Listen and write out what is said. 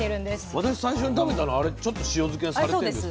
私最初に食べたのあれちょっと塩漬けされてるんですか？